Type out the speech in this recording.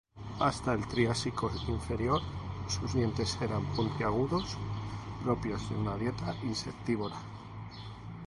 Hasta el Triásico inferior, sus dientes eran puntiagudos, propios de una dieta insectívora.